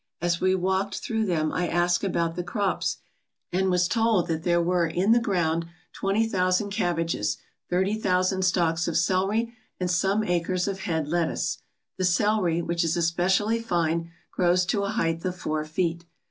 As we walked through them I asked about the crops, and 153 ALASKA OUR NORTHERN WONDERLAND was told that there were in the ground twenty thousand cabbages, thirty thousand stalks of celery, and some acres of head lettuce. The celery, which is especially fine, grows to a height of four feet.